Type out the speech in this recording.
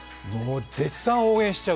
絶賛応援しちゃう。